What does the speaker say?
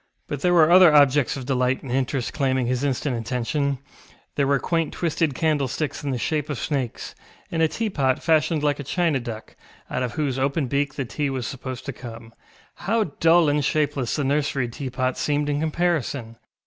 But there were other objects of delight and interest claiming his instant attention: there were quaint twisted candlesticks in the shape of snakes, and a teapot fashioned like a china duck, out of whose open beak the tea was supposed to come. How dull and shapeless the nursery teapot seemed in comparison!